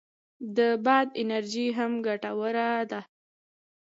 د باد انرژي هم ګټوره ده